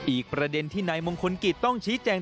อีกประเด็นที่นายมงคลกิจต้องชี้แจง